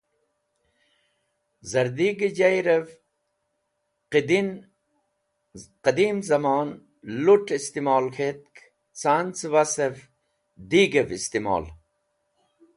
Zardigẽ jayrẽv qẽdin zẽmon lut̃ istimol k̃hetk can cẽbas̃v digev istimol